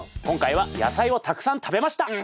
今回は野菜をたくさん食べました。